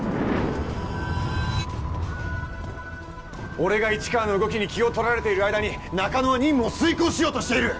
俺が市川の動きに気を取られている間に中野は任務を遂行しようとしている！